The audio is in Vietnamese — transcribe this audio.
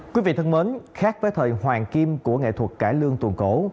quý vị thân mến khác với thời hoàng kim của nghệ thuật cải lương tuồng cổ